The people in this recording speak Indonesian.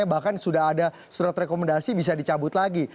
bahkan sudah ada surat rekomendasi bisa dicabut lagi